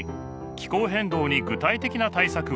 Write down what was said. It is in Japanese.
気候変動に具体的な対策を。